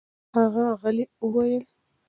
هغه غلې وویل: